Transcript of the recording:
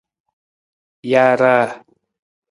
Jaaraa.